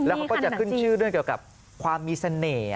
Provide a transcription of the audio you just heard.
เขาก็จะขึ้นชื่อเรื่องเกี่ยวกับความมีเสน่ห์